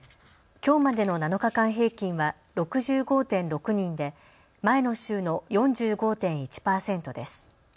きょうまでの７日間平均は６５．６人で前の週の４５．１％です。